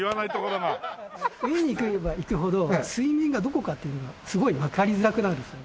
上に行けば行くほど水面がどこかというのがすごいわかりづらくなるんですね。